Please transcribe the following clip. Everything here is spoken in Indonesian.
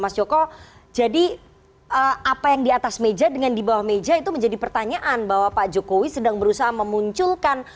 mas joko jadi apa yang di atas meja dengan di bawah meja itu menjadi pertanyaan bahwa pak jokowi sedang berusaha memunculkan